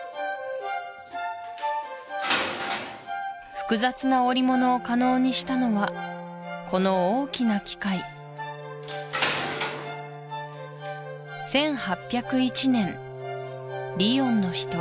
複雑な織物を可能にしたのはこの大きな機械１８０１年リヨンの人